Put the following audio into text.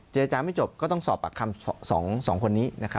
เจรจารย์ไม่จบก็ต้องสอบอักคัม๒คนนี้